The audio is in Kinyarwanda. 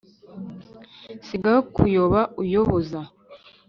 sigaho kuyoba uyoboza